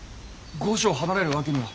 御所を離れるわけには。